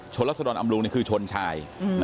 รัศดรอำรุงคือชนชาย